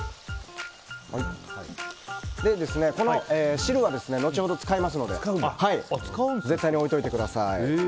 この汁は後ほど使いますので絶対に置いといてください。